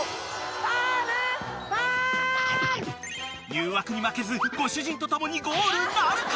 ［誘惑に負けずご主人と共にゴールなるか！？］